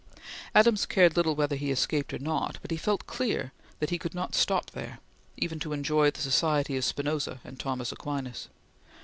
Adams cared little whether he escaped or not, but he felt clear that he could not stop there, even to enjoy the society of Spinoza and Thomas Aquinas.